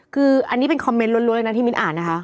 คืออันนี้เป็นคอมเมนต์ล้วนเลยนะที่มิ้นอ่านนะคะ